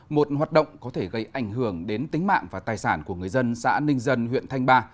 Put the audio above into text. một hoạt động có thể gây ảnh hưởng đến tính mạng và tài sản của người dân xã ninh dân huyện thanh ba